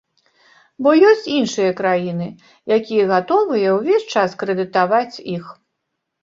Бо ёсць іншыя краіны, якія гатовыя ўвесь час крэдытаваць іх.